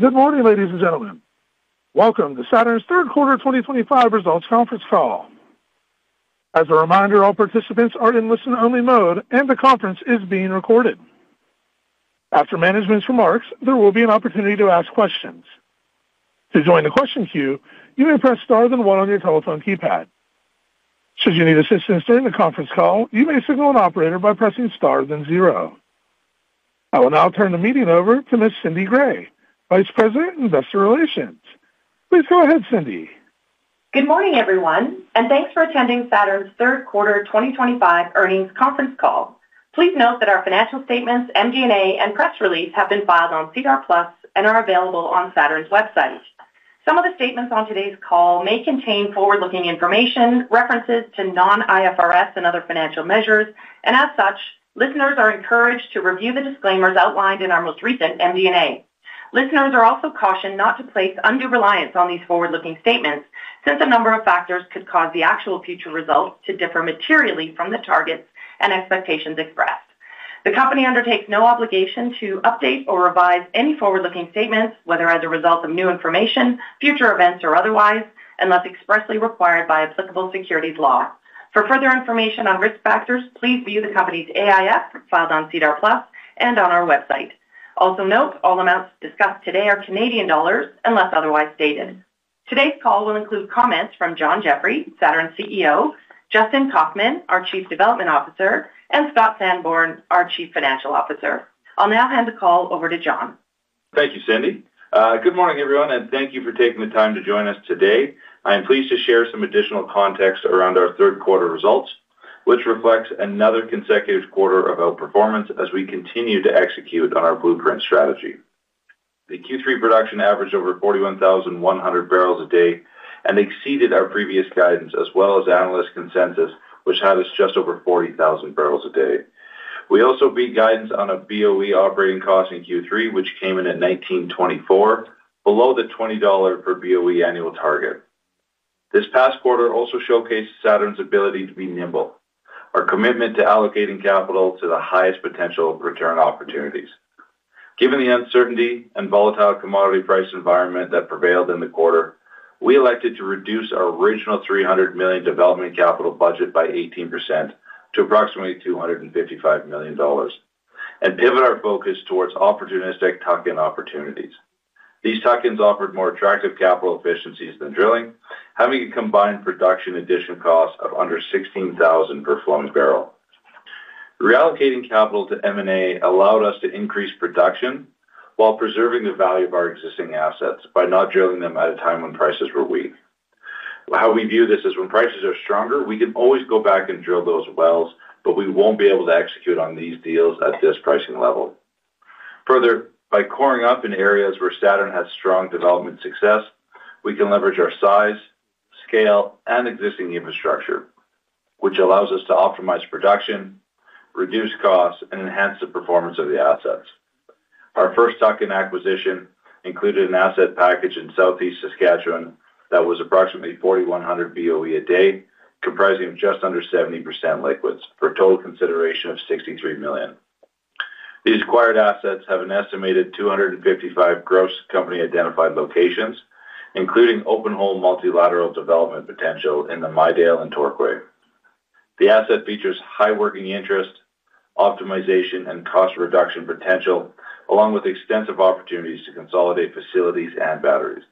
Good morning, ladies and gentlemen. Welcome to Saturn's third quarter 2025 results conference call. As a reminder, all participants are in listen-only mode, and the conference is being recorded. After management's remarks, there will be an opportunity to ask questions. To join the question queue, you may press star then one on your telephone keypad. Should you need assistance during the conference call, you may signal an operator by pressing star then zero. I will now turn the meeting over to Ms. Cindy Gray, Vice President of Investor Relations. Please go ahead, Cindy. Good morning, everyone, and thanks for attending Saturn's third quarter 2025 earnings conference call. Please note that our financial statements, MD&A, and press release have been filed on SEDAR+ and are available on Saturn's website. Some of the statements on today's call may contain forward-looking information, references to non-IFRS and other financial measures, and as such, listeners are encouraged to review the disclaimers outlined in our most recent MD&A. Listeners are also cautioned not to place undue reliance on these forward-looking statements since a number of factors could cause the actual future results to differ materially from the targets and expectations expressed. The company undertakes no obligation to update or revise any forward-looking statements, whether as a result of new information, future events, or otherwise, unless expressly required by applicable securities law. For further information on risk factors, please view the company's AIF filed on SEDAR+ and on our website. Also note, all amounts discussed today are CAD unless otherwise stated. Today's call will include comments from John Jeffrey, Saturn CEO, Justin Kaufman, our Chief Development Officer, and Scott Sanborn, our Chief Financial Officer. I'll now hand the call over to John. Thank you, Cindy. Good morning, everyone, and thank you for taking the time to join us today. I am pleased to share some additional context around our third quarter results, which reflects another consecutive quarter of outperformance as we continue to execute on our blueprint strategy. The Q3 production averaged over 41,100 barrels a day and exceeded our previous guidance, as well as analyst consensus, which had us just over 40,000 barrels a day. We also beat guidance on a BOE operating cost in Q3, which came in at 19.24, below the CAD 20 per BOE annual target. This past quarter also showcased Saturn's ability to be nimble, our commitment to allocating capital to the highest potential return opportunities. Given the uncertainty and volatile commodity price environment that prevailed in the quarter, we elected to reduce our original 300 million development capital budget by 18% to approximately 255 million dollars. We pivot our focus towards opportunistic tuck-in opportunities. These tuck-ins offered more attractive capital efficiencies than drilling, having a combined production addition cost of under 16,000 per flowing barrel. Reallocating capital to M&A allowed us to increase production while preserving the value of our existing assets by not drilling them at a time when prices were weak. How we view this is when prices are stronger, we can always go back and drill those wells, but we will not be able to execute on these deals at this pricing level. Further, by coring up in areas where Saturn has strong development success, we can leverage our size, scale, and existing infrastructure, which allows us to optimize production, reduce costs, and enhance the performance of the assets. Our first tuck-in acquisition included an asset package in Southeast Saskatchewan that was approximately 4,100 BOE a day, comprising just under 70% liquids for a total consideration of 63 million. These acquired assets have an estimated 255 gross company-identified locations, including open-hole multilateral development potential in the Midale and Torquay. The asset features high working interest, optimization, and cost reduction potential, along with extensive opportunities to consolidate facilities and batteries.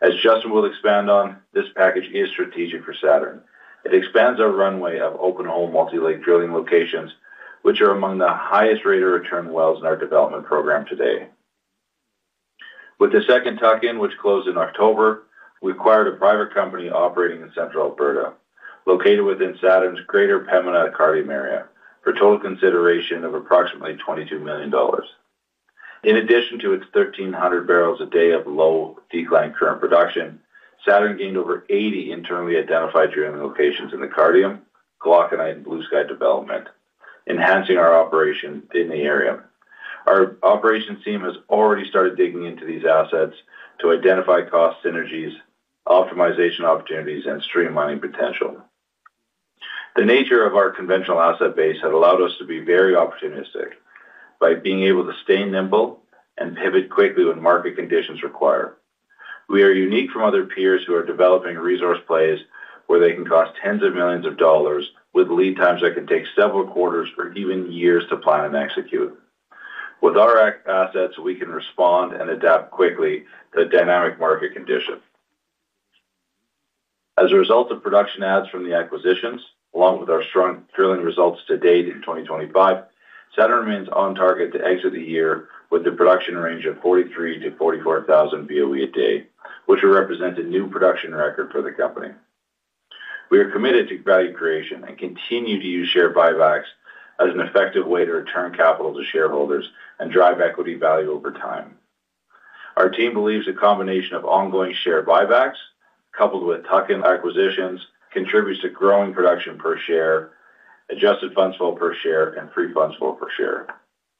As Justin will expand on, this package is strategic for Saturn. It expands our runway of open-hole multilateral drilling locations, which are among the highest rate of return wells in our development program today. With the second tuck-in, which closed in October, we acquired a private company operating in Central Alberta, located within Saturn's greater Pembina Cardium area, for a total consideration of 22 million dollars. In addition to its 1,300 barrels a day of low-decline current production, Saturn gained over 80 internally identified drilling locations in the Cardium, Glauconite, and Bluesky development, enhancing our operation in the area. Our operations team has already started digging into these assets to identify cost synergies, optimization opportunities, and streamlining potential. The nature of our conventional asset base had allowed us to be very opportunistic by being able to stay nimble and pivot quickly when market conditions require. We are unique from other peers who are developing resource plays where they can cost tens of millions of dollars with lead times that can take several quarters or even years to plan and execute. With our assets, we can respond and adapt quickly to dynamic market conditions. As a result of production adds from the acquisitions, along with our strong drilling results to date in 2025, Saturn remains on target to exit the year with a production range of 43,000-44,000 BOE a day, which would represent a new production record for the company. We are committed to value creation and continue to use share buybacks as an effective way to return capital to shareholders and drive equity value over time. Our team believes a combination of ongoing share buybacks coupled with tuck-in acquisitions contributes to growing production per share, adjusted funds flow per share, and free funds flow per share.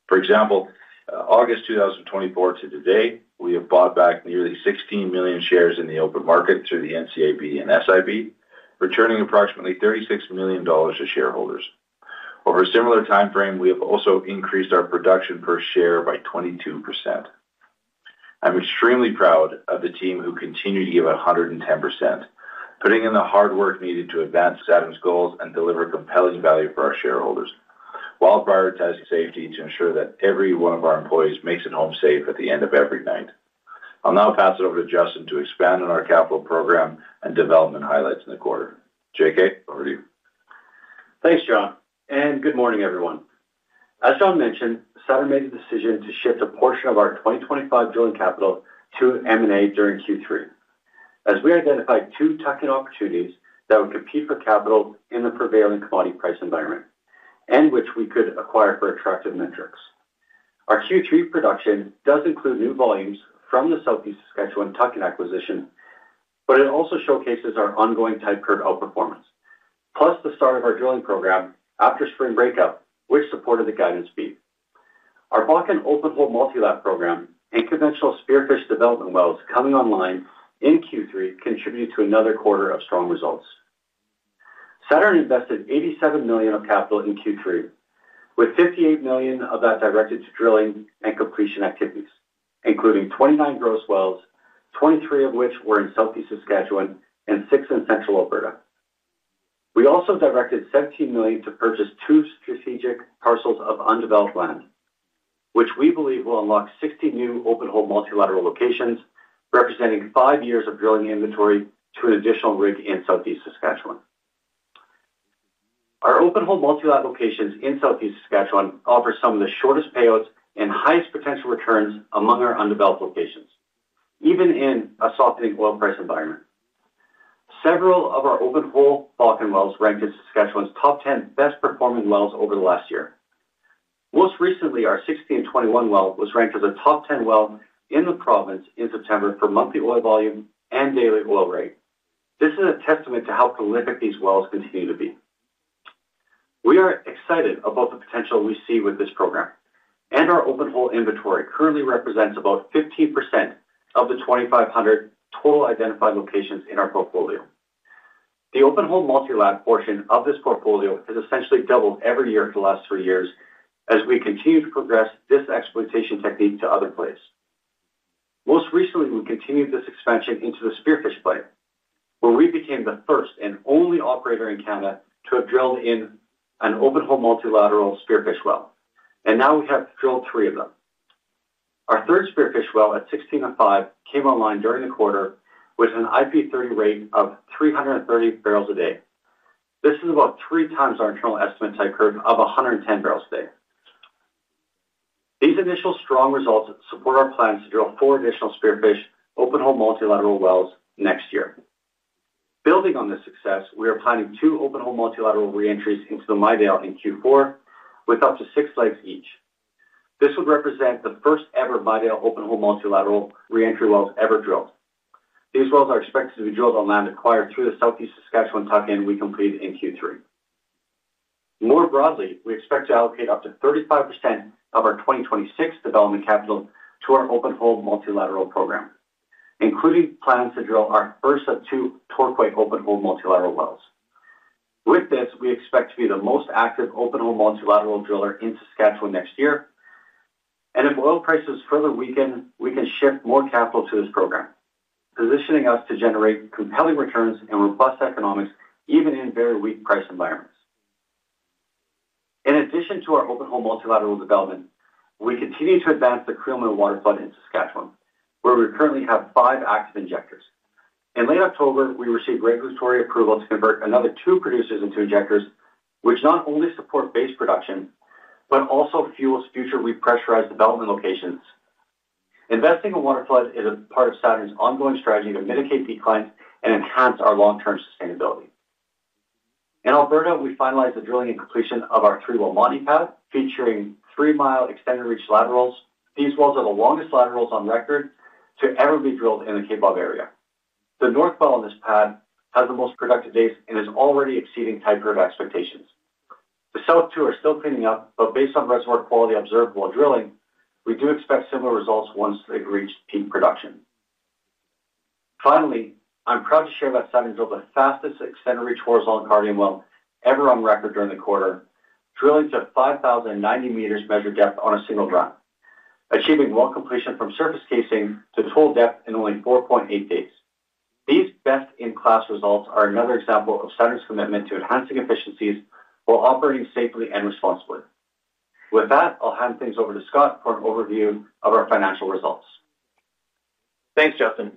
For example, August 2024 to today, we have bought back nearly 16 million shares in the open market through the NCIB and SIB, returning approximately 36 million dollars to shareholders. Over a similar timeframe, we have also increased our production per share by 22%. I'm extremely proud of the team who continue to give 110%, putting in the hard work needed to advance Saturn's goals and deliver compelling value for our shareholders while prioritizing safety to ensure that every one of our employees makes it home safe at the end of every night. I'll now pass it over to Justin to expand on our capital program and development highlights in the quarter. JK, over to you. Thanks, John. Good morning, everyone. As John mentioned, Saturn made the decision to shift a portion of our 2025 drilling capital to M&A during Q3, as we identified two tuck-in opportunities that would compete for capital in the prevailing commodity price environment and which we could acquire for attractive metrics. Our Q3 production does include new volumes from the Southeast Saskatchewan tuck-in acquisition, but it also showcases our ongoing type curve outperformance, plus the start of our drilling program after spring breakup, which supported the guidance beat. Our Bakken open-hole multilateral program and conventional Spearfish development wells coming online in Q3 contributed to another quarter of strong results. Saturn invested 87 million of capital in Q3, with 58 million of that directed to drilling and completion activities, including 29 gross wells, 23 of which were in Southeast Saskatchewan and 6 in Central Alberta. We also directed 17 million to purchase two strategic parcels of undeveloped land, which we believe will unlock 60 new open-hole multilateral locations, representing five years of drilling inventory to an additional rig in Southeast Saskatchewan. Our open-hole multilateral locations in Southeast Saskatchewan offer some of the shortest payouts and highest potential returns among our undeveloped locations, even in a softening oil price environment. Several of our open-hole Bakken wells ranked as Saskatchewan's top 10 best-performing wells over the last year. Most recently, our 1621 well was ranked as a top 10 well in the province in September for monthly oil volume and daily oil rate. This is a testament to how prolific these wells continue to be. We are excited about the potential we see with this program, and our open-hole inventory currently represents about 15% of the 2,500 total identified locations in our portfolio. The open-hole multilateral portion of this portfolio has essentially doubled every year for the last three years as we continue to progress this exploitation technique to other plays. Most recently, we continued this expansion into the Spearfish play, where we became the first and only operator in Canada to have drilled an open-hole multilateral Spearfish well. Now we have drilled three of them. Our third Spearfish well at 1605 came online during the quarter with an IP30 rate of 330 barrels a day. This is about three times our internal estimate type curve of 110 barrels a day. These initial strong results support our plans to drill four additional Spearfish open-hole multilateral wells next year. Building on this success, we are planning two open-hole multilateral reentries into the Midale in Q4 with up to six legs each. This would represent the first-ever Midale open-hole multilateral reentry wells ever drilled. These wells are expected to be drilled on land acquired through the Southeast Saskatchewan tuck-in we completed in Q3. More broadly, we expect to allocate up to 35% of our 2026 development capital to our open-hole multilateral program, including plans to drill our first of two Torquay open-hole multilateral wells. With this, we expect to be the most active open-hole multilateral driller in Saskatchewan next year. If oil prices further weaken, we can shift more capital to this program, positioning us to generate compelling returns and robust economics even in very weak price environments. In addition to our open-hole multilateral development, we continue to advance the Creelman waterflood in Saskatchewan, where we currently have five active injectors. In late October, we received regulatory approval to convert another two producers into injectors, which not only support base production but also fuels future repressurized development locations. Investing in waterflood is a part of Saturn's ongoing strategy to mitigate declines and enhance our long-term sustainability. In Alberta, we finalized the drilling and completion of our three-well Montney pad, featuring three-mile extended reach laterals. These wells are the longest laterals on record to ever be drilled in the Kaybob area. The north well on this pad has the most productive days and is already exceeding type curve expectations. The south two are still cleaning up, but based on reservoir quality observed while drilling, we do expect similar results once they've reached peak production. Finally, I'm proud to share that Saturn drilled the fastest extended reach horizontal accordion well ever on record during the quarter, drilling to 5,090 meters measured depth on a single run, achieving well completion from surface casing to total depth in only 4.8 days. These best-in-class results are another example of Saturn's commitment to enhancing efficiencies while operating safely and responsibly. With that, I'll hand things over to Scott for an overview of our financial results. Thanks, Justin.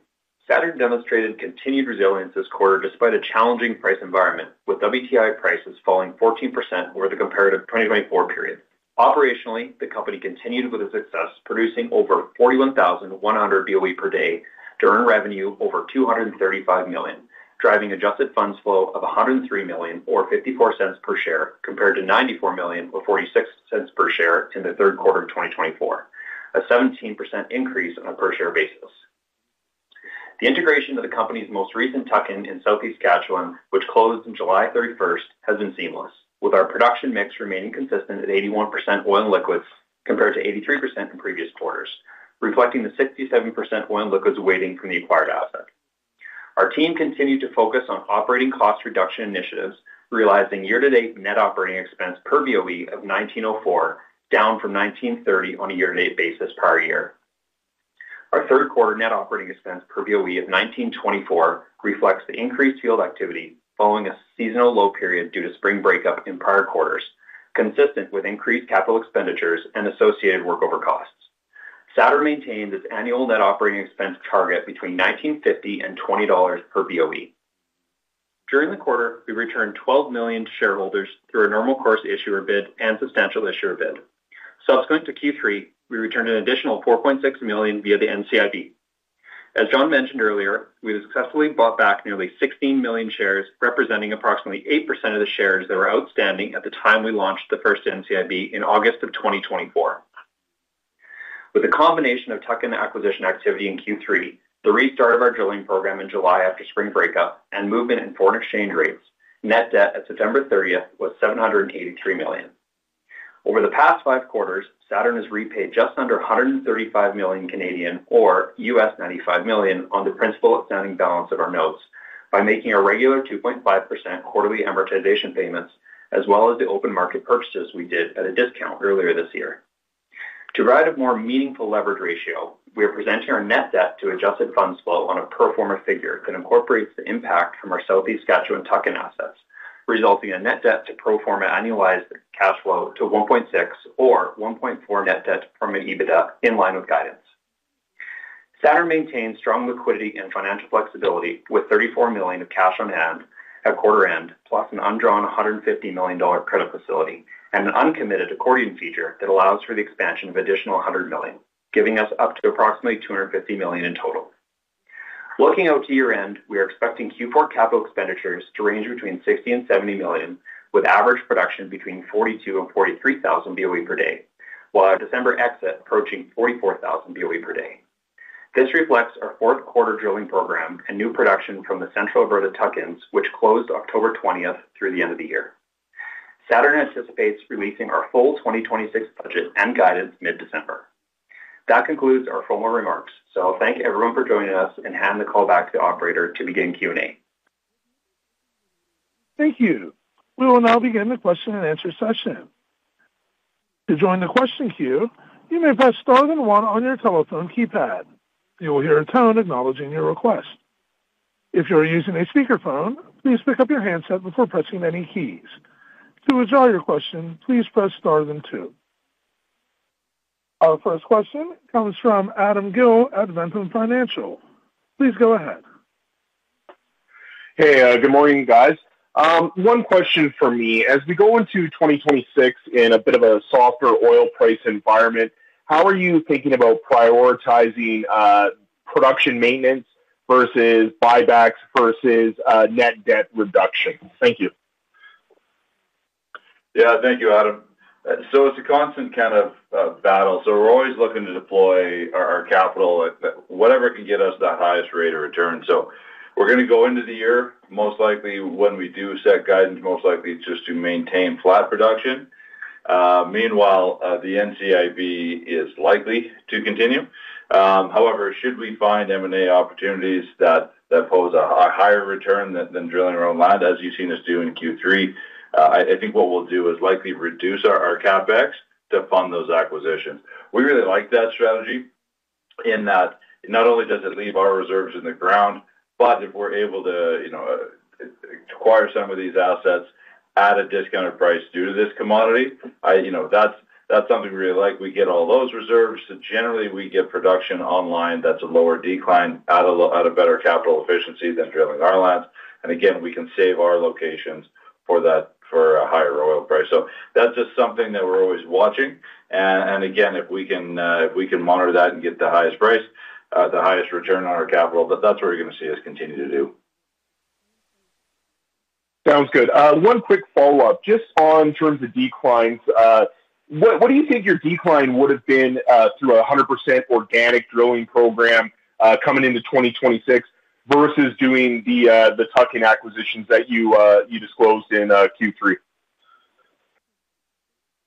Saturn demonstrated continued resilience this quarter despite a challenging price environment, with WTI prices falling 14% over the comparative 2024 period. Operationally, the company continued with its success, producing over 41,100 BOE per day to earn revenue over 235 million, driving adjusted funds flow of 103 million, or 0.54 per share, compared to 94 million, or 0.46 per share in the third quarter of 2024, a 17% increase on a per-share basis. The integration of the company's most recent tuck-in in Southeast Saskatchewan, which closed on July 31st, has been seamless, with our production mix remaining consistent at 81% oil and liquids compared to 83% in previous quarters, reflecting the 67% oil and liquids weighting from the acquired asset. Our team continued to focus on operating cost reduction initiatives, realizing year-to-date net operating expense per BOE of 19.04, down from 19.30 on a year-to-date basis prior year. Our third quarter net operating expense per BOE of 19.24 reflects the increased field activity following a seasonal low period due to spring breakup in prior quarters, consistent with increased capital expenditures and associated workover costs. Saturn maintained its annual net operating expense target between 19.50 and 20 dollars per BOE. During the quarter, we returned 12 million to shareholders through a normal course issuer bid and substantial issuer bid. Subsequent to Q3, we returned an additional 4.6 million via the NCIB. As John mentioned earlier, we successfully bought back nearly 16 million shares, representing approximately 8% of the shares that were outstanding at the time we launched the first NCIB in August of 2024. With the combination of tuck-in acquisition activity in Q3, the restart of our drilling program in July after spring breakup, and movement in foreign exchange rates, net debt at September 30th was 783 million. Over the past five quarters, Saturn has repaid just under 135 million Canadian dollars, or $95 million, on the principal outstanding balance of our notes by making regular 2.5% quarterly amortization payments, as well as the open market purchases we did at a discount earlier this year. To provide a more meaningful leverage ratio, we are presenting our net debt to adjusted funds flow on a pro forma figure that incorporates the impact from our Southeast Saskatchewan tuck-in assets, resulting in net debt to pro forma annualized cash flow to 1.6 or 1.4 net debt from an EBITDA in line with guidance. Saturn maintains strong liquidity and financial flexibility with 34 million of cash on hand at quarter end, plus an undrawn 150 million dollar credit facility and an uncommitted accordion feature that allows for the expansion of additional 100 million, giving us up to approximately 250 million in total. Looking out to year-end, we are expecting Q4 capital expenditures to range between 60 million and 70 million, with average production between 42,000 and 43,000 BOE per day, while our December exit approaching 44,000 BOE per day. This reflects our fourth quarter drilling program and new production from the Central Alberta tuck-ins, which closed October 20 through the end of the year. Saturn anticipates releasing our full 2026 budget and guidance mid-December. That concludes our formal remarks. Thank everyone for joining us and hand the call back to the operator to begin Q&A. Thank you. We will now begin the question and answer session. To join the question queue, you may press star then one on your telephone keypad. You will hear a tone acknowledging your request. If you are using a speakerphone, please pick up your handset before pressing any keys. To withdraw your question, please press star then two. Our first question comes from Adam Gill at Ventum Financial. Please go ahead. Hey, good morning, guys. One question for me. As we go into 2026 in a bit of a softer oil price environment, how are you thinking about prioritizing? Production maintenance versus buybacks versus net debt reduction? Thank you. Yeah, thank you, Adam. It is a constant kind of battle. We are always looking to deploy our capital at whatever can get us the highest rate of return. We are going to go into the year, most likely when we do set guidance, most likely just to maintain flat production. Meanwhile, the NCIB is likely to continue. However, should we find M&A opportunities that pose a higher return than drilling our own land, as you have seen us do in Q3, I think what we will do is likely reduce our CapEx to fund those acquisitions. We really like that strategy in that not only does it leave our reserves in the ground, but if we are able to acquire some of these assets at a discounted price due to this commodity, that is something we really like. We get all those reserves. Generally, we get production online that's a lower decline at a better capital efficiency than drilling our lands. Again, we can save our locations for that for a higher oil price. That's just something that we're always watching. Again, if we can monitor that and get the highest price, the highest return on our capital, that's what we're going to see us continue to do. Sounds good. One quick follow-up, just on terms of declines. What do you think your decline would have been through a 100% organic drilling program coming into 2026 versus doing the tuck-in acquisitions that you disclosed in Q3?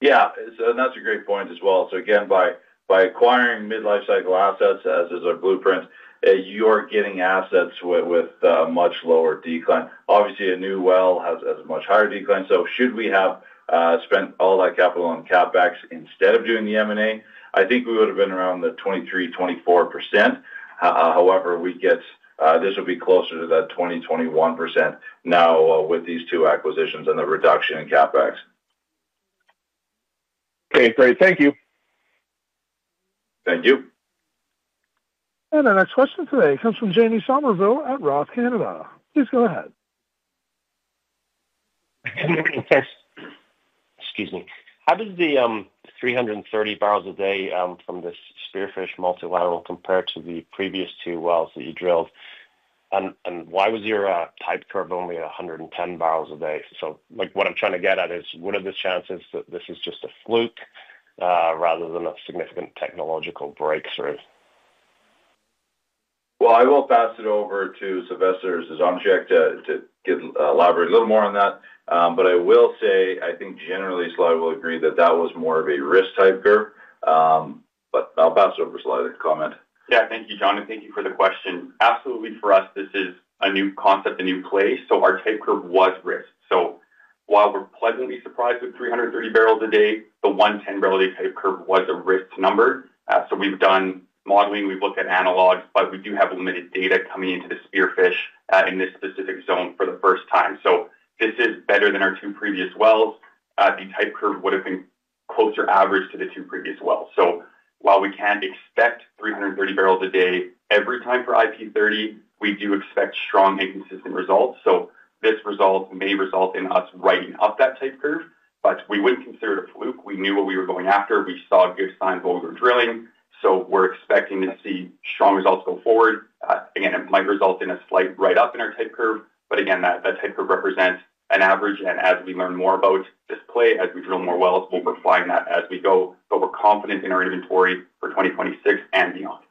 Yeah, that's a great point as well. Again, by acquiring mid-life cycle assets as is our blueprint, you're getting assets with a much lower decline. Obviously, a new well has a much higher decline. Should we have spent all that capital on CapEx instead of doing the M&A? I think we would have been around the 23%-24%. However, this would be closer to that 20%-21% now with these two acquisitions and the reduction in CapEx. Okay, great. Thank you. Thank you. Our next question today comes from Jamie Somerville at Roth Canada. Please go ahead. Excuse me. How does the 330 barrels a day from this Spearfish multilateral compare to the previous two wells that you drilled? Why was your type curve only 110 barrels a day? What I'm trying to get at is, what are the chances that this is just a fluke rather than a significant technological breakthrough? I will pass it over to Sylvester Zdonczyk to elaborate a little more on that. I will say, I think generally Sly will agree that that was more of a risk type curve. I will pass it over to Sly to comment. Yeah, thank you, John. Thank you for the question. Absolutely, for us, this is a new concept, a new play. Our type curve was risk. While we're pleasantly surprised with 330 barrels a day, the 110 barrel a day type curve was a risk number. We've done modeling. We've looked at analogs, but we do have limited data coming into the Spearfish in this specific zone for the first time. This is better than our two previous wells. The type curve would have been closer average to the two previous wells. While we can't expect 330 barrels a day every time for IP30, we do expect strong and consistent results. This result may result in us writing up that type curve, but we wouldn't consider it a fluke. We knew what we were going after. We saw good signs while we were drilling. We're expecting to see strong results go forward. Again, it might result in a slight write-up in our type curve. That type curve represents an average. As we learn more about this play, as we drill more wells, we'll refine that as we go. We're confident in our inventory for 2026 and beyond.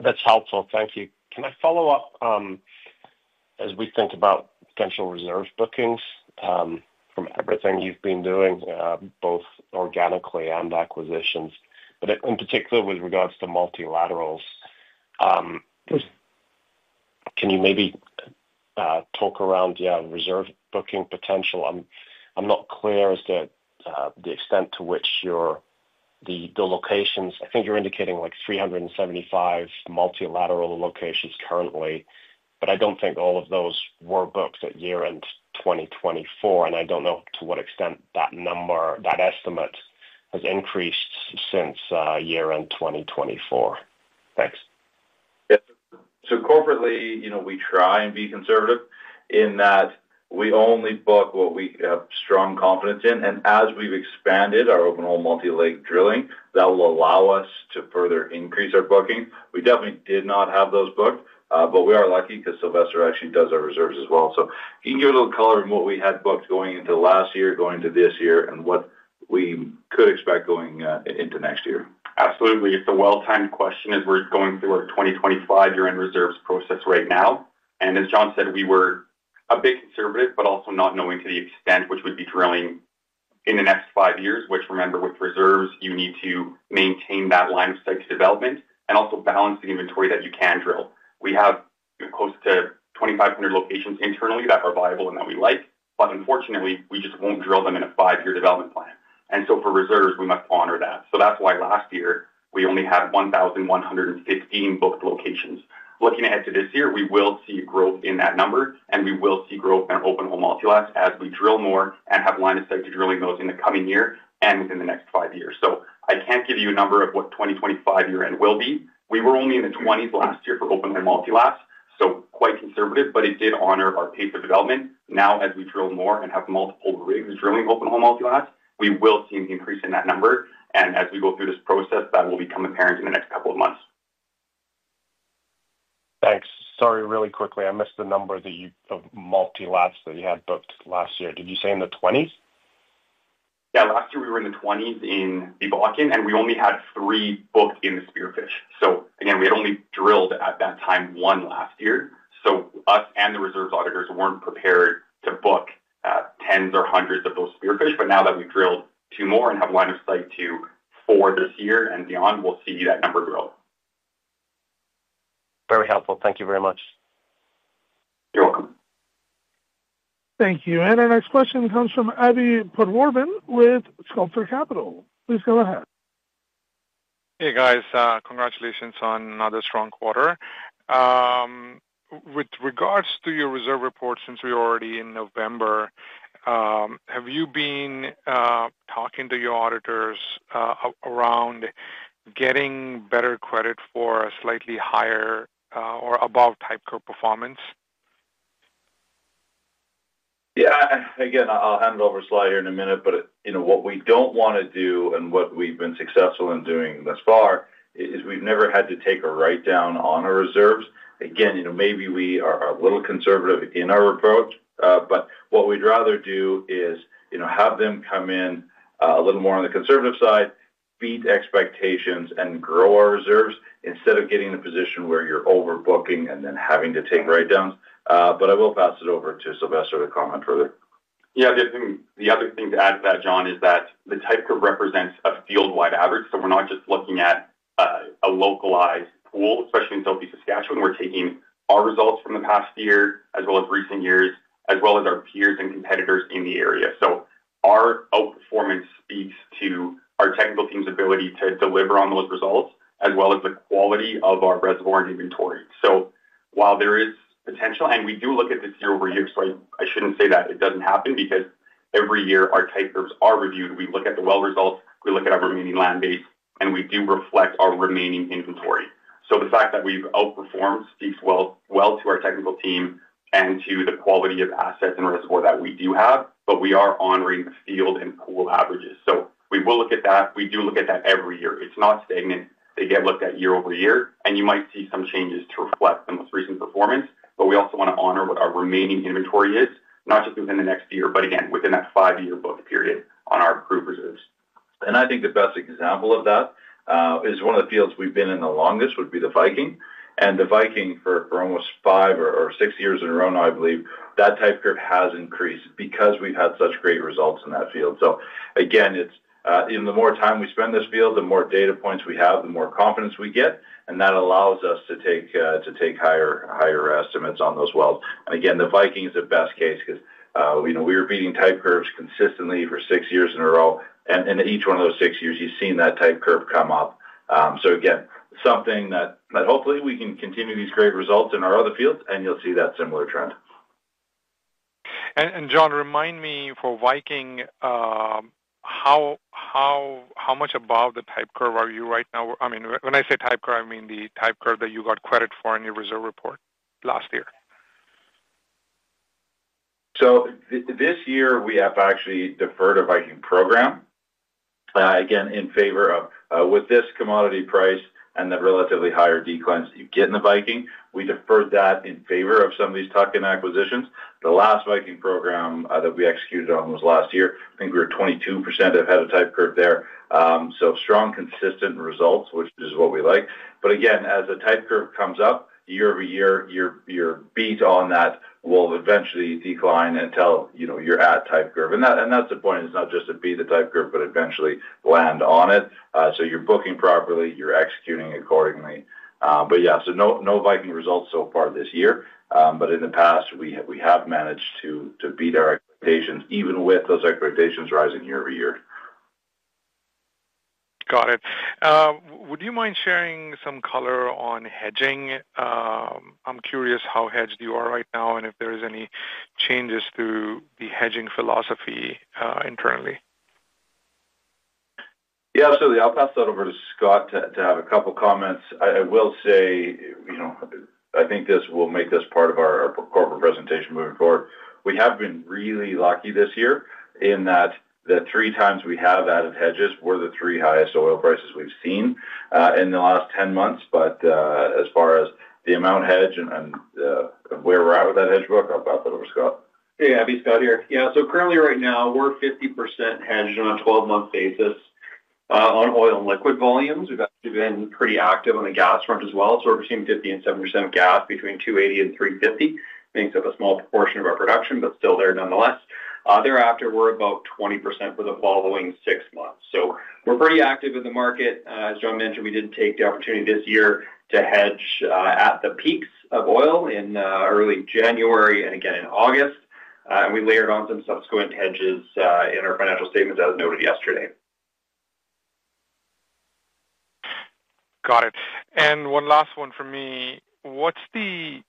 That's helpful. Thank you. Can I follow up? As we think about potential reserve bookings, from everything you've been doing, both organically and acquisitions, but in particular with regards to multilaterals, can you maybe talk around reserve booking potential? I'm not clear as to the extent to which the locations, I think you're indicating like 375 multilateral locations currently, but I don't think all of those were booked at year-end 2024. And I don't know to what extent that estimate has increased since year-end 2024. Thanks. Yeah. Corporately, we try and be conservative in that we only book what we have strong confidence in. As we have expanded our overall multi-leg drilling, that will allow us to further increase our booking. We definitely did not have those booked, but we are lucky because Sylvester actually does our reserves as well. He can give a little color in what we had booked going into last year, going into this year, and what we could expect going into next year. Absolutely. It's a well-timed question as we're going through our 2025 year-end reserves process right now. As John said, we were a bit conservative, but also not knowing to the extent which we would be drilling in the next five years, which, remember, with reserves, you need to maintain that line of sight development and also balance the inventory that you can drill. We have close to 2,500 locations internally that are viable and that we like, but unfortunately, we just won't drill them in a five-year development plan. For reserves, we must honor that. That's why last year we only had 1,115 booked locations. Looking ahead to this year, we will see growth in that number, and we will see growth in our open-hole multilateral wells as we drill more and have lines of sight to drill in those in the coming year and within the next five years. I can't give you a number of what 2025 year-end will be. We were only in the 20s last year for open-hole multilateral wells, so quite conservative, but it did honor our paper development. Now, as we drill more and have multiple rigs drilling open-hole multilateral wells, we will see an increase in that number. As we go through this process, that will become apparent in the next couple of months. Thanks. Sorry, really quickly, I missed the number of multilaterals that you had booked last year. Did you say in the 20s? Yeah, last year we were in the 20s in the Bakken, and we only had three booked in the Spearfish. Again, we had only drilled at that time one last year. Us and the reserves auditors were not prepared to book tens or hundreds of those Spearfish. Now that we have drilled two more and have a line of sight to four this year and beyond, we will see that number grow. Very helpful. Thank you very much. You're welcome. Thank you. Our next question comes from Abhi Patwardhan with Sculptor Capital. Please go ahead. Hey, guys. Congratulations on another strong quarter. With regards to your reserve report, since we're already in November, have you been talking to your auditors around getting better credit for a slightly higher or above type curve performance? Yeah. Again, I'll hand it over to Sly here in a minute, but what we don't want to do and what we've been successful in doing thus far is we've never had to take a write-down on our reserves. Again, maybe we are a little conservative in our approach, but what we'd rather do is have them come in a little more on the conservative side, beat expectations, and grow our reserves instead of getting in a position where you're overbooking and then having to take write-downs. I will pass it over to Sylvester to comment further. Yeah. The other thing to add to that, John, is that the type curve represents a field-wide average. We are not just looking at a localized pool, especially in Southeast Saskatchewan. We are taking our results from the past year as well as recent years, as well as our peers and competitors in the area. Our outperformance speaks to our technical team's ability to deliver on those results, as well as the quality of our reservoir and inventory. While there is potential, and we do look at this year over year, I should not say that it does not happen because every year our type curves are reviewed. We look at the well results, we look at our remaining land base, and we do reflect our remaining inventory. The fact that we've outperformed speaks well to our technical team and to the quality of assets and reservoir that we do have, but we are honoring the field and pool averages. We will look at that. We do look at that every year. It's not stagnant. They get looked at year over year, and you might see some changes to reflect the most recent performance, but we also want to honor what our remaining inventory is, not just within the next year, but again, within that five-year book period on our approved reserves. I think the best example of that is one of the fields we've been in the longest, would be the Viking. The Viking, for almost five or six years in a row, I believe, that type curve has increased because we've had such great results in that field. Again, the more time we spend in this field, the more data points we have, the more confidence we get, and that allows us to take higher estimates on those wells. The Viking is the best case because we were beating type curves consistently for six years in a row, and in each one of those six years, you've seen that type curve come up. Hopefully we can continue these great results in our other fields, and you'll see that similar trend. John, remind me for Viking. How much above the type curve are you right now? I mean, when I say type curve, I mean the type curve that you got credit for in your reserve report last year. This year, we have actually deferred a Viking program. Again, in favor of with this commodity price and the relatively higher declines that you get in the Viking, we deferred that in favor of some of these tuck-in acquisitions. The last Viking program that we executed on was last year. I think we were 22% ahead of type curve there. Strong, consistent results, which is what we like. Again, as the type curve comes up, year over year, your beat on that will eventually decline until you are at type curve. That is the point. It is not just to beat the type curve, but eventually land on it. You are booking properly, you are executing accordingly. No Viking results so far this year, but in the past, we have managed to beat our expectations, even with those expectations rising year over year. Got it. Would you mind sharing some color on hedging? I'm curious how hedged you are right now and if there are any changes to the hedging philosophy internally. Yeah, absolutely. I'll pass that over to Scott to have a couple of comments. I will say I think this will make this part of our corporate presentation moving forward. We have been really lucky this year in that the three times we have added hedges were the three highest oil prices we've seen in the last 10 months. As far as the amount hedged and where we're at with that hedge book, I'll pass it over to Scott. Hey, Abhi, Scott here. Yeah. Currently, right now, we're 50% hedged on a 12-month basis on oil and liquid volumes. We've actually been pretty active on the gas front as well. We're seeing 50%-70% gas between $2.80 and $3.50, makes up a small proportion of our production, but still there nonetheless. Thereafter, we're about 20% for the following six months. We're pretty active in the market. As John mentioned, we did take the opportunity this year to hedge at the peaks of oil in early January and again in August. We layered on some subsequent hedges in our financial statements, as noted yesterday. Got it. And one last one for me. What's the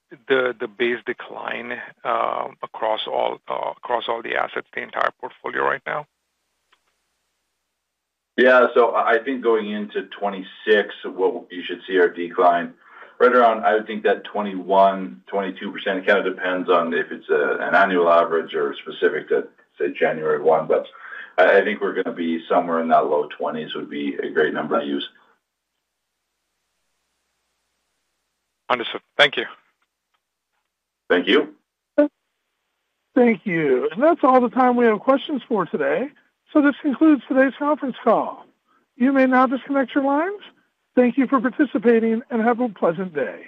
base decline across all the assets, the entire portfolio right now? Yeah. I think going into 2026, what you should see, our decline right around, I would think that 21%-22% kind of depends on if it is an annual average or specific to, say, January 1. I think we are going to be somewhere in that low 20%s would be a great number to use. Understood. Thank you. Thank you. Thank you. That is all the time we have for questions today. This concludes today's conference call. You may now disconnect your lines. Thank you for participating and have a pleasant day.